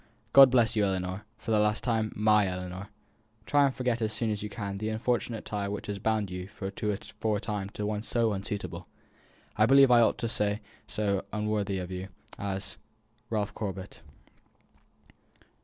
God bless you, my Ellinor, for the last time my Ellinor. Try to forget as soon as you can the unfortunate tie which has bound you for a time to one so unsuitable I believe I ought to say so unworthy of you as RALPH CORBET."